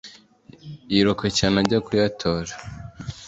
Yiruka cyane ajya kuyatora ,